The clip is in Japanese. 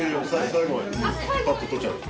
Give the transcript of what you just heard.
最後までパッと撮っちゃおうよ。